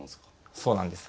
そうなんです。